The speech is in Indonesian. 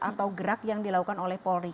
atau gerak yang dilakukan oleh polri